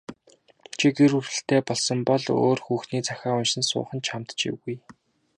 Чи гэр бүлтэй болсон бол өөр хүүхний захиа уншин суух нь чамд ч эвгүй.